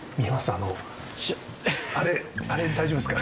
あの、あれ、あれ大丈夫ですか？